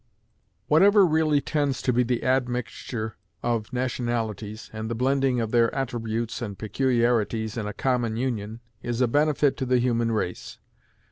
Whatever really tends to the admixture of nationalities, and the blending of their attributes and peculiarities in a common union, is a benefit to the human race.